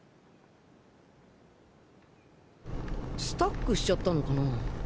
スタックしちゃったのかな？